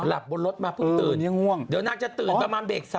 บนรถมาเพิ่งตื่นเดี๋ยวนางจะตื่นประมาณเบรก๓